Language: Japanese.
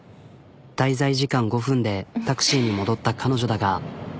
滞在時間５分でタクシーに戻った彼女だが。